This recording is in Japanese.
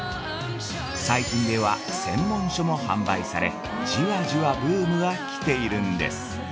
最近では専門書も販売されじわじわブームが来ているんです。